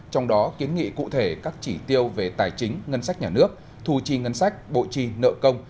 trong đó kiến nghị cụ thể các chỉ tiêu về tài chính ngân sách nhà nước thu chi ngân sách bộ chi nợ công